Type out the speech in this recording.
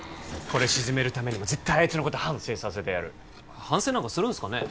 これ鎮めるためにも絶対あいつのこと反省させてやる反省なんかするんすかね？